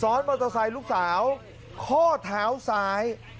ซ้อนมอเตอร์ไซค์ลูกสาวข้อเท้าซ้าย